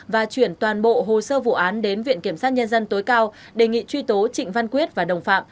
và chuyển toàn bộ hồ sơ vụ án đến viện kiểm sát nhân dân tối cao đề nghị truy tố trịnh văn quyết và đồng phạm